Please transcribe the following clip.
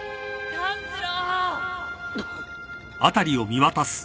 ・炭治郎！